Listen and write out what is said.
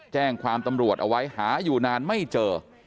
แจ้งความตำรวจเอาไว้หาอยู่นานไม่เจอ